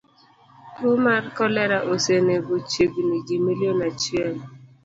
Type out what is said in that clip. Tuo mar kolera osenego chiegni ji milion achiel.